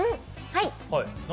はい！